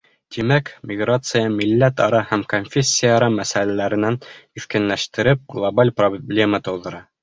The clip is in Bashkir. Тимәк, миграция, милләт-ара һәм конфессия-ара мәсьәләләрен киҫкенләштереп, глобаль проблема тыуҙыра.